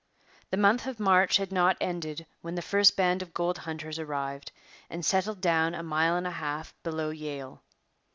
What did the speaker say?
The month of March had not ended when the first band of gold hunters arrived and settled down a mile and a half below Yale.